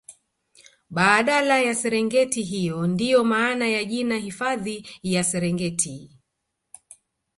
baadala ya serengiti hiyo ndio maana ya jina hifadhi ya Serengeti